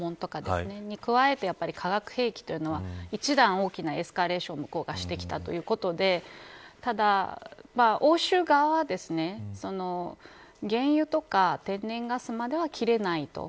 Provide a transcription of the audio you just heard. それに加えて化学兵器というのは一段大きなエスカレーションを向こうがしてきたということでただ、欧州側は原油とか天然ガスまでは切れないと。